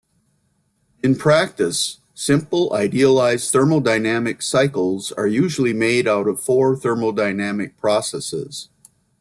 In practice, simple idealized thermodynamic cycles are usually made out of four thermodynamic processes.